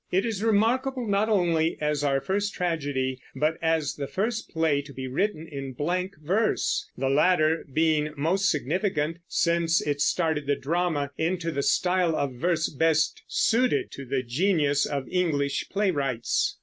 It is remarkable not only as our first tragedy, but as the first play to be written in blank verse, the latter being most significant, since it started the drama into the style of verse best suited to the genius of English playwrights.